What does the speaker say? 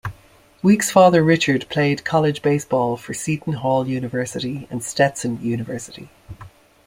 Week's father Richard played college baseball for Seton Hall University and Stetson University.